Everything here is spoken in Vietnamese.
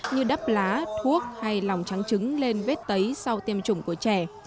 như đắp lá thuốc hay lòng trắng trứng lên vết tấy sau tiêm chủng của trẻ